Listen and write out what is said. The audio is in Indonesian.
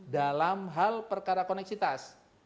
dalam hal perkara koneksitas